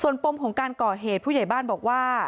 ปมของการก่อเหตุผู้ใหญ่บ้านบอกว่า